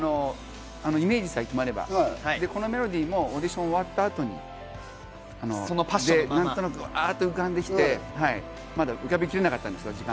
イメージさえ決まれば、このメロディーもオーディション終わった後に、何となく浮かんできてまだ浮かびきれなかったんですけど。